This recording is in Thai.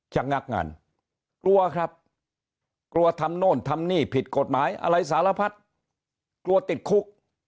งักงานกลัวครับกลัวทำโน่นทำนี่ผิดกฎหมายอะไรสารพัดกลัวติดคุก